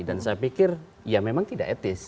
dan saya pikir ya memang tidak etis